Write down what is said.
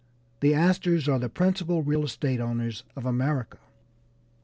The Astors are the principal real estate owners of America.